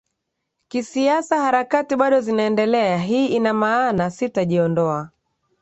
kisiasa Harakati bado zinaendelea Hii ina maana sitajiondoa